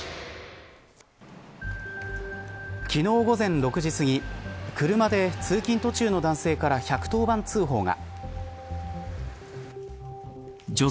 昨日、午前６時すぎ車で通勤途中の男性から１１０番通報が。